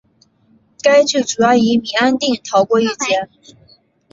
该剧主要以米安定逃过一劫。